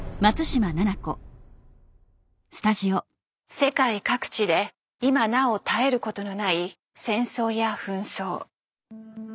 世界各地で今なお絶えることのない戦争や紛争。